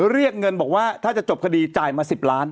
เรียกเงินบอกว่าถ้าจะจบคดีจ่ายมา๑๐ล้าน